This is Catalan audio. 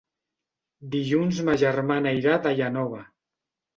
Dilluns ma germana irà a Daia Nova.